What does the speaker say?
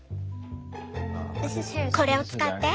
これを使って？